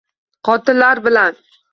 Qotillar bilan